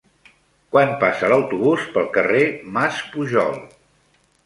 Quan passa l'autobús pel carrer Mas Pujol?